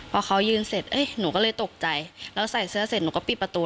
พอเขายืนเสร็จหนูก็เลยตกใจแล้วใส่เสื้อเสร็จหนูก็ปิดประตู